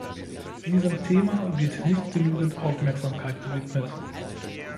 Diesem Thema wird nicht genügend Aufmerksamkeit gewidmet.